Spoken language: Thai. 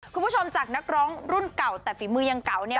คุณผู้ชมจากนักร้องรุ่นเก่าแต่ฝีมือยังเก่าเนี่ย